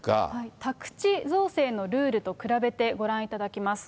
宅地造成のルールと比べて、ご覧いただきます。